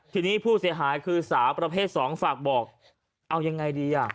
ทีนี้ผู้เสียหายคือสาวประเภทสองฝากบอกเอายังไงดีอ่ะ